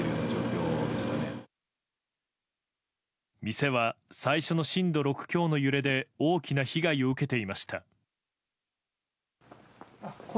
店は最初の震度６強の揺れで大きな被害を受けていました。